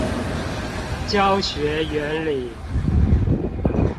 教學原理